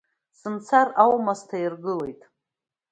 Сымцар амуа сҭаиргылеит…